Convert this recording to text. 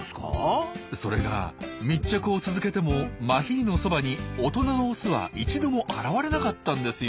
それが密着を続けてもマヒリのそばに大人のオスは一度も現れなかったんですよ。